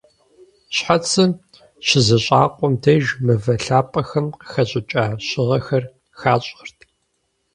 Щхьэцыр щызэщӀакъуэм деж мывэ лъапӀэхэм къыхэщӀыкӀа щыгъэхэр хащӀэрт.